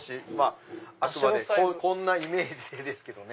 あくまでイメージですけどね。